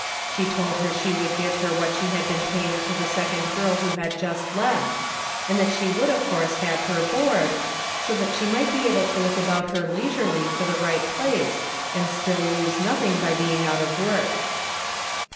She told her she would give her what she had been paying to the second girl who had just left, and that she would of course have her board, so that she might be able to look about her leisurely for the right place, and still lose nothing by being out of work.